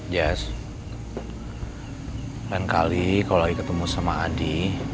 jazz lain kali kalau lagi ketemu sama adi